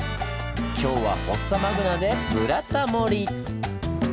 今日はフォッサマグナで「ブラタモリ」！